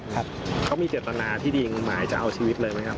เขามีเดตนาที่ยิงหมายจะเอาชีวิตเลยมั้ยครับ